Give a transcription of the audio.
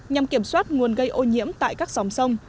nhằm kiểm soát nguồn gây ô nhiễm tại các dòng sông